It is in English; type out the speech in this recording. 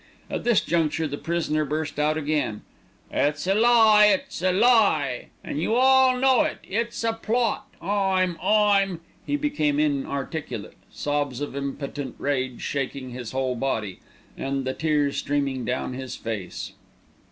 At this juncture the prisoner burst out again: "It's a lie, it's a lie, an' you all know it! It's a plot! I'm I'm " He became inarticulate, sobs of impotent rage shaking his whole body, and the tears streaming down his face.